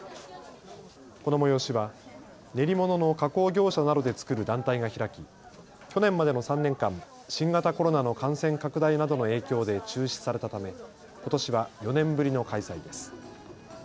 この催しは練り物の加工業者などで作る団体が開き去年までの３年間、新型コロナの感染拡大などの影響で中止されたためことしは４年ぶりの開催です。